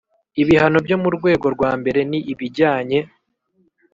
Ibihano byo mu rwego rwa mbere ni ibijyanye